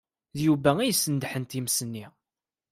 D Yuba ay yesnedḥen times-nni.